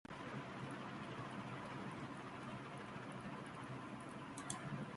ހަނދު ފެންނާނެތަ؟